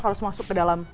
harus masuk ke dalam